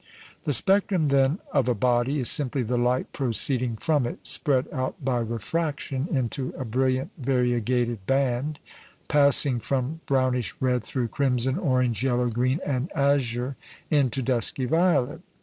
The spectrum, then, of a body is simply the light proceeding from it spread out by refraction into a brilliant variegated band, passing from brownish red through crimson, orange, yellow, green, and azure into dusky violet.